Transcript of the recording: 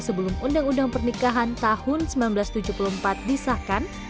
sebelum undang undang pernikahan tahun seribu sembilan ratus tujuh puluh empat disahkan